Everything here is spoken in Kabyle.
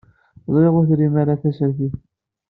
Ẓriɣ ur trim ara tasertit.